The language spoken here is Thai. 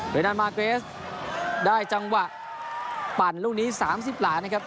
โดยนานมาร์เกรสได้จังหวะปั่นลูกนี้๓๐หลังนะครับ